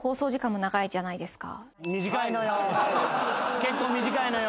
結構短いのよ